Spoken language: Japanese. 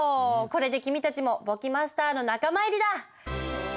これで君たちも簿記マスターの仲間入りだ！